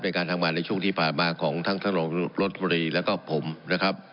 ในการทำมาในช่วงที่ผ่านมาของทั้งสำหรับรถบรีและก็ผมนะครับ